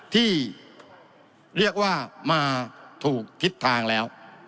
ที่เรียกว่ามาถูกทิศทางแล้ว